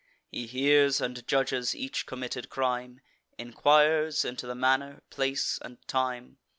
He hears and judges each committed crime; Enquires into the manner, place, and time.